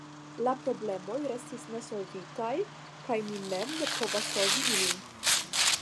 La problemoj restis nesolvitaj, kaj mi mem ne povis solvi ilin.